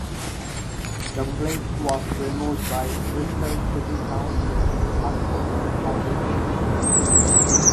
The plaque was removed by Bristol City Council in October of the same year.